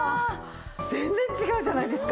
全然違うじゃないですか。